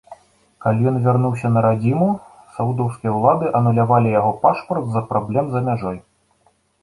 Калі ён вярнуўся на радзіму, саудаўскія ўлады анулявалі яго пашпарт з-за праблем за мяжой.